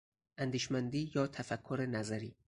اندیشمندی یا تفکر نظری